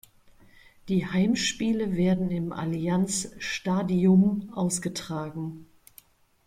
Die Heimspiele werden im Allianz Stadium ausgetragen.